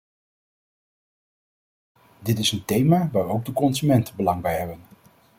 Dit is een thema waar ook de consumenten belang bij hebben.